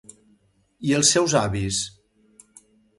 I els seus avis?